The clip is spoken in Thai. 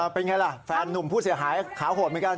เป็นไงล่ะแฟนหนุ่มผู้เสียหายขาวห่วมรึไงกัน